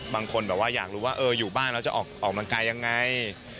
บางคนอยากรู้ว่าอยู่บ้านแล้วจะออกกำลังกายอย่างไร